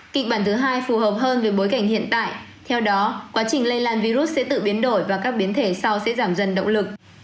kịch bản thứ hai phù hợp hơn với bối cảnh hiện tại theo đó quá trình lây lan virus sẽ tự biến đổi và các biến thể sau sẽ giảm dần động lực